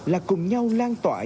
là cùng nhau lan toàn